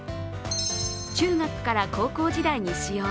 中学から高校時代に使用。